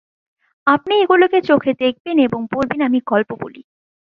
আপনি এগুলিকে চোখে দেখবেন এবং বলবেন, 'আমি গল্প বলি।'